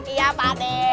iya pak d